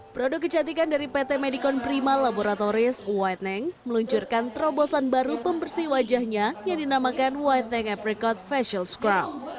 produk kecantikan dari pt medikon prima laboratoris whitening meluncurkan terobosan baru pembersih wajahnya yang dinamakan whitening apricot facial scrub